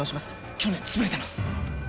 去年つぶれてます。